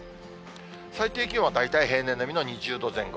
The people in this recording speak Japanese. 最低気温は大体平年並みの２０度前後。